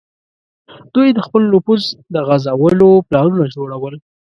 دوی د خپل نفوذ د غځولو پلانونه جوړول.